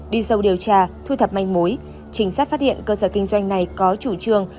đi sâu điều tra thu thập manh mối trinh sát phát hiện cơ sở kinh doanh này có chủ trương